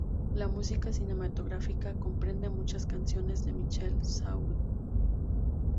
La música cinematográfica comprende muchas canciones de Michel Sardou.